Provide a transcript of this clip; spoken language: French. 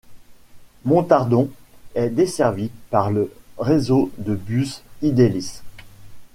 Montardon est desservie par le réseau de bus Idelis.